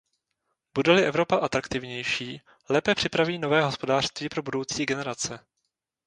Bude-li Evropa atraktivnější, lépe připraví nové hospodářství pro budoucí generace.